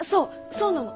そうなの。